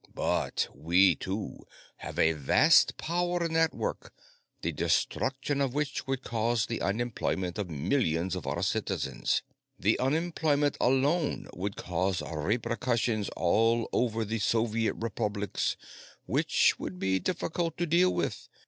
"But we, too, have a vast, power network, the destruction of which would cause the unemployment of millions of our citizens. The unemployment alone would cause repercussions all over the Soviet Republics which would be difficult to deal with.